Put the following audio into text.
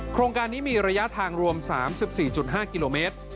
โครงการนี้มีระยะทางรวม๓๔๕กิโลเมตร